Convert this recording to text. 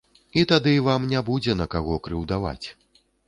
І тады вам не будзе на каго крыўдаваць.